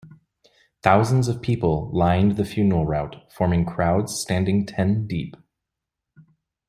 Thousands of people lined the funeral route, forming crowds standing ten-deep.